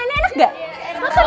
gimana makanannya enak gak